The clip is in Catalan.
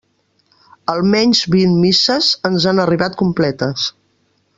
Almenys vint misses ens han arribat completes.